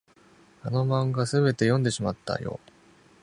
あの漫画、すべて読んでしまったよ。